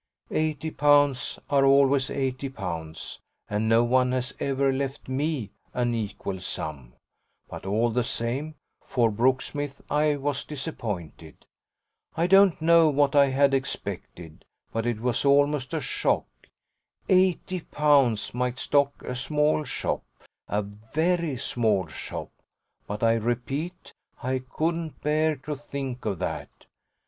Eighty pounds are always eighty pounds, and no one has ever left ME an equal sum; but, all the same, for Brooksmith, I was disappointed. I don't know what I had expected, but it was almost a shock. Eighty pounds might stock a small shop a VERY small shop; but, I repeat, I couldn't bear to think of that.